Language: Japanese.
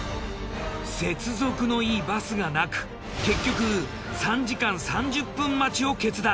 接続のいいバスがなく結局３時間３０分待ちを決断。